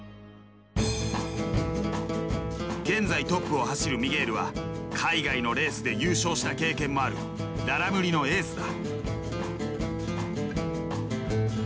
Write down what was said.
現在トップを走るミゲールは海外のレースで優勝した経験もあるララムリのエースだ。